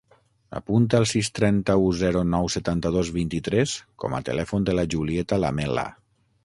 Apunta el sis, trenta-u, zero, nou, setanta-dos, vint-i-tres com a telèfon de la Julieta Lamela.